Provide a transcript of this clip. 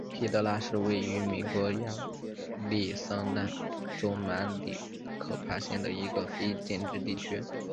皮德拉是位于美国亚利桑那州马里科帕县的一个非建制地区。